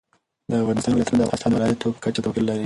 د افغانستان ولايتونه د افغانستان د ولایاتو په کچه توپیر لري.